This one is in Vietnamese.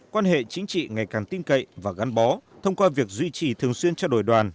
quan hệ chính trị ngày càng tin cậy và gắn bó thông qua việc duy trì thường xuyên trao đổi đoàn